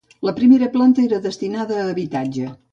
La primera planta era destinada a habitatge.